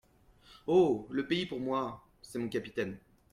Oh ! le pays pour moi… c’est mon capitaine !